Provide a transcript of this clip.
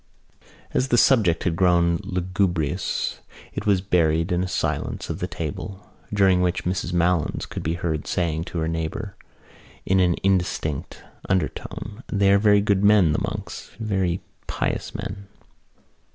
As the subject had grown lugubrious it was buried in a silence of the table during which Mrs Malins could be heard saying to her neighbour in an indistinct undertone: "They are very good men, the monks, very pious men."